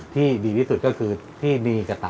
ที่ดีที่สุดก็คือที่ดีกับตา